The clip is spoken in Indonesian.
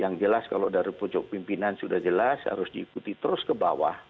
yang jelas kalau dari pojok pimpinan sudah jelas harus diikuti terus ke bawah